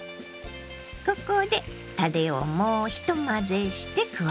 ここでたれをもう一混ぜして加えます。